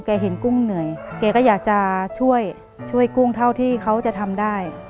แกเห็นกุ้งเหนื่อยแกก็อยากจะช่วยที่เขาได้